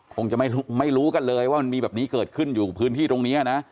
คงจะไม่รู้กันเลยว่ามันมีแบบนี้เกิดขึ้นอยู่พื้นที่ตรงนี้นะ